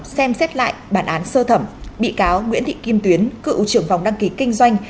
xem xét lại bản án sơ thẩm bị cáo nguyễn thị kim tuyến cựu trưởng phòng đăng ký kinh doanh